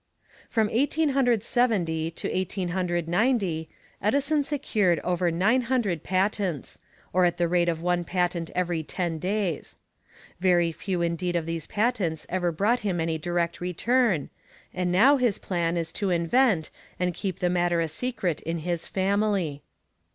From Eighteen Hundred Seventy to Eighteen Hundred Ninety, Edison secured over nine hundred patents, or at the rate of one patent every ten days. Very few indeed of these patents ever brought him any direct return, and now his plan is to invent and keep the matter a secret in his "family."